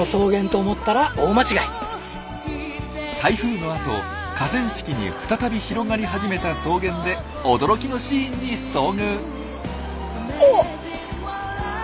台風のあと河川敷に再び広がり始めた草原で驚きのシーンに遭遇！